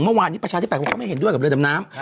เมื่อวานนี้ประชาธิปักษ์ก็ไม่เห็นด้วยกับเรือดำน้ำ